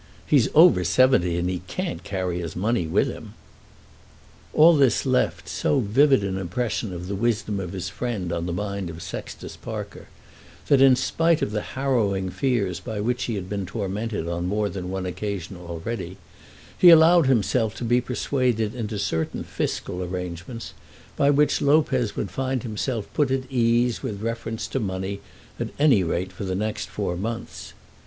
He's over seventy, and he can't carry his money with him." All this left so vivid an impression of the wisdom of his friend on the mind of Sextus Parker, that in spite of the harrowing fears by which he had been tormented on more than one occasion already, he allowed himself to be persuaded into certain fiscal arrangements, by which Lopez would find himself put at ease with reference to money at any rate for the next four months.